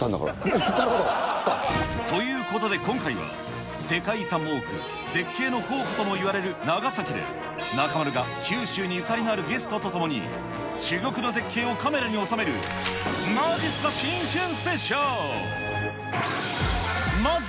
なるほど。ということで今回は、世界遺産も多く、絶景の宝庫ともいわれる長崎で、中丸が九州にゆかりのあるゲストと共に、珠玉の絶景をカメラに収めるまじっすか新春スペシャル。